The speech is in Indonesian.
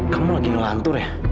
kamu lagi ngelantur ya